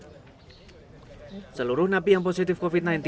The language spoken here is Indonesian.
mereka kembali menjalani isolasi selama empat belas hari setelah itu